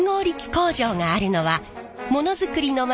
工場があるのはものづくりの街